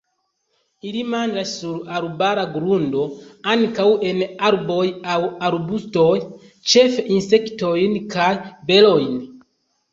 Ili manĝas sur arbara grundo, ankaŭ en arboj aŭ arbustoj, ĉefe insektojn kaj berojn.